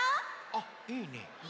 あいいね！